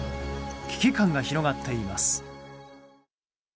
危機感が広がっています。